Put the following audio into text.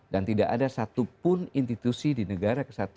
dan tidak ada satupun indikasi indikasi yang saya tidak tahu